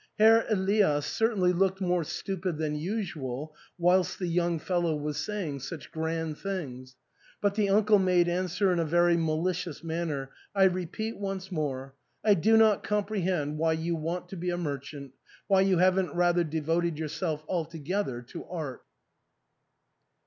Herr Elias certainly looked more stupid than usual whilst the young fellow was saying such grand things, but the uncle made answer in a very malicious manner, " I repeat once more, I do not comprehend why you want to be a merchant, why you haven't rather devoted yourself al together to art."